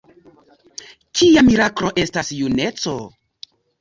Kia miraklo estas juneco?